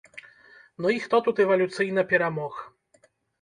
Ну і хто тут эвалюцыйна перамог?